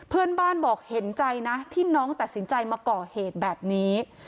เพื่อนบ้านบอกเห็นใจนะที่น้องตัดสินใจมาก่อเหตุแบบนี้